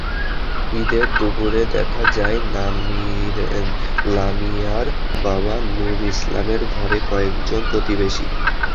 ঈদের দুপুরে দেখা যায়, লামিয়ার বাবা নূর ইসলামের ঘরে কয়েকজন প্রতিবেশী।